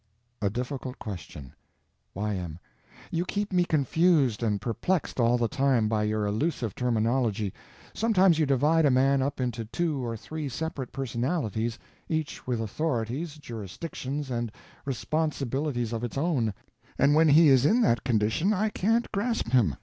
A Difficult Question Y.M. You keep me confused and perplexed all the time by your elusive terminology. Sometimes you divide a man up into two or three separate personalities, each with authorities, jurisdictions, and responsibilities of its own, and when he is in that condition I can't grasp it.